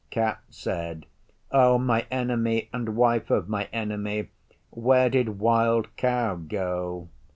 Cat said, 'O my Enemy and Wife of my Enemy, where did Wild Cow go?